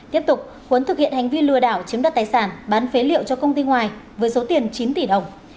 tiếp tục huấn thực hiện hành vi lừa đảo chiếm đất tài sản bán phế liệu cho công ty ngoài với số tiền chín tỷ đồng